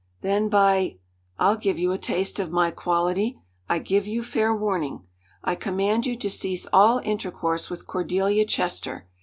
"Then, by ! I'll give you a taste of my quality. I give you fair warning. I command you to cease all intercourse with Cordelia Chester!